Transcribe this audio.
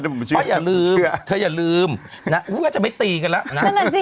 เพราะอย่าลืมเธออย่าลืมนะก็จะไม่ตีกันแล้วนะ